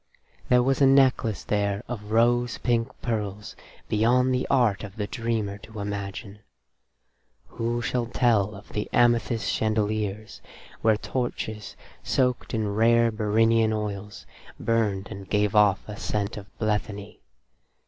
There was a necklace there of rose pink pearls beyond the art of the dreamer to imagine. Who shall tell of the amethyst chandeliers, where torches, soaked in rare Bhyrinian oils, burned and gave off a scent of blethany?